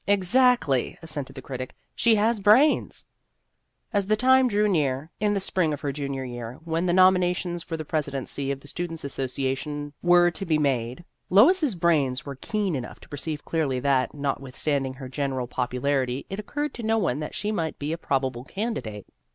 " Exactly," assented the critic ;" she has brains." As the time drew near, in the spring of her junior year, when the nominations for the presidency of the Students' Associa tion were to be made, Lois's brains were keen enough to perceive clearly that, not withstanding her general popularity, it occurred to no one that she might be a probable candidate.